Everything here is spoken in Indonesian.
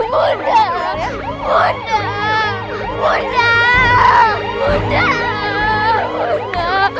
muda muda muda muda